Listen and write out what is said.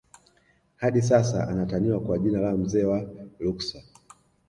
Hadi sasa anataniwa kwa jina la mzee wa Ruksa